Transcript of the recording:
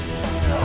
aku mau ke sana